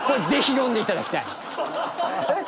えっ？